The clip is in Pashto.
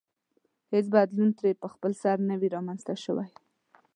هېڅ بدلون ترې په خپلسر نه وي رامنځته شوی.